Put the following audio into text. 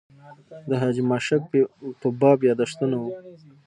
د حاجي ماشک په باب یاداښتونه و.